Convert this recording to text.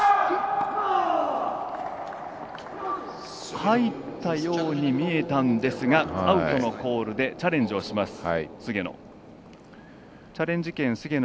入ったように見えたんですがアウトのコールでチャレンジをします、菅野。